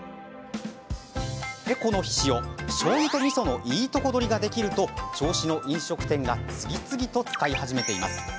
このひしお、しょうゆとみそのいいとこ取りができると銚子の飲食店が次々と使い始めています。